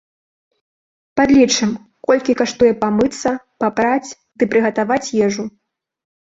Падлічым, колькі каштуе памыцца, папраць ды прыгатаваць ежу.